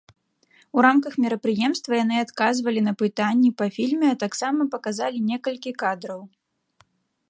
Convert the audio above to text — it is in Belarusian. У рамках мерапрыемства яны адказвалі на пытанні па фільме, а таксама паказалі некалькі кадраў.